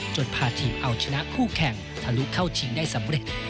พาทีมเอาชนะคู่แข่งทะลุเข้าชิงได้สำเร็จ